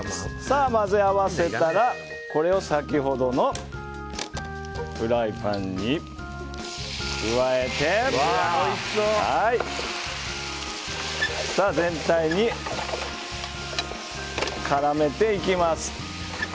混ぜ合わせたら、これを先ほどのフライパンに加えて全体に絡めていきます。